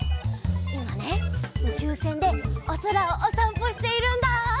いまねうちゅうせんでおそらをおさんぽしているんだ。